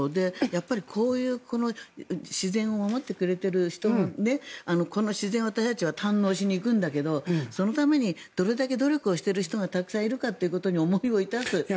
こういう自然を守ってくれている人のこの自然を私たちは堪能しに行くんだけどそのためにどれだけ努力をしている人がたくさんいるかということに思いを致す。